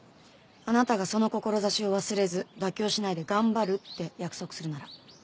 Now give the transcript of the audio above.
あなたがその志を忘れず妥協しないで頑張るって約束するなら。